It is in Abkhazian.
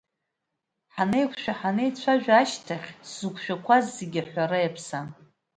Ҳанеиқәшәа, ҳанеицәажәа ашьҭахь сзықәшәақәаз зегьы аҳәара иаԥсам.